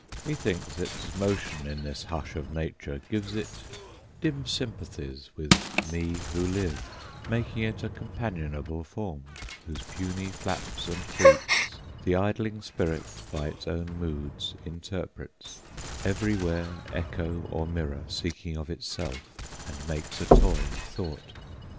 Methinks, its motion in this hush of nature Gives it dim sympathies with me who live, Making it a companionable form, Whose puny flaps and freaks the idling Spirit By its own moods interprets, every where Echo or mirror seeking of itself, And makes a toy of Thought.